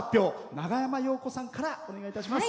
長山洋子さんからお願いいたします。